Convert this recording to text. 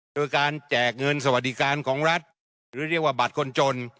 โดยการแจกเงินสวัสดิการของรัฐหรือเรียกว่าบัตรคนจน